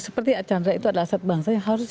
seperti archandra itu adalah aset bangsa yang harus